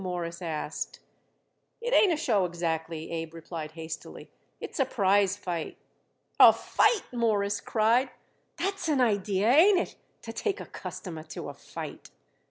Morris asked. "It ain't a show exactly," Abe replied hastily; "it's a prize fight." "A fight!" Morris cried. "That's an idea, ain't it? to take a customer to a fight."